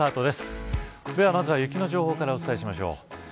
では、まずは雪の情報からお伝えしましょう。